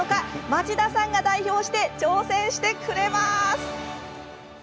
町田さんが代表して挑戦してくれます！